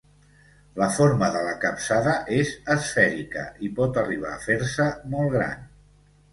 La forma de la capçada és esfèrica i pot arribar a fer-se molt gran.